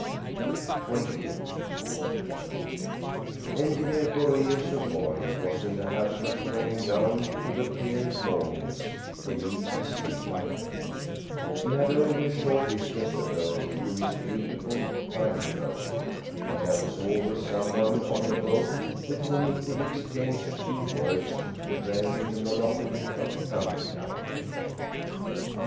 WAITING Engineer Boraeus of Borg was in the habit of strolling down to the pier mornings to meet the steamer. He had only a short distance to go, through his beautiful pine grove, and there was always some one on the boat with whom he could exchange a few words to vary the monotony of country life.